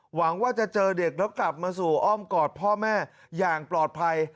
หวังว่าจะเจอเด็กแล้วกลับมาสู่อ้อมกอดพ่อแม่อย่างปลอดภัย